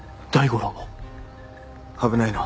危ないな。